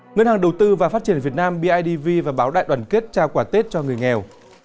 ngân hàng đầu tư và phát triển việt nam bidv và báo đại đoàn kết trao quả tết cho người nghèo